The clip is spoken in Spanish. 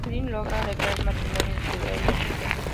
Marilyn logra arreglar el matrimonio de Piedad y Enrique.